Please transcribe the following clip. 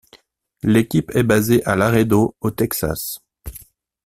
L'équipe est basée à Laredo au Texas.